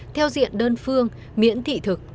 theo diện đơn phương miễn thị thực